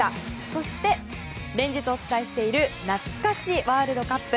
そして連日、お伝えしているなつか史ワールドカップ。